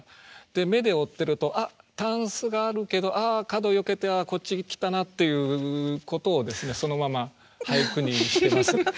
で目で追ってるとあっタンスがあるけどあ角よけてこっち来たなっていうことをそのまま俳句にしてます。